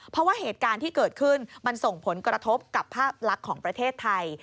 เพราะว่าเหตุการณ์ที่เกิดขึ้นมันส่งผลกระทบกับภาพลักษณ์ของประเทศไทย